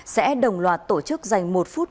sẽ đồng loạt tổ chức dành một phút